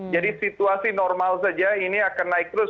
jadi situasi normal saja ini akan naik terus